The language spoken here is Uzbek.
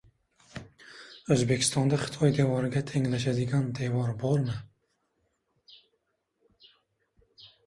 O‘zbekistonda Xitoy devoriga tenglashadigan devor bormi?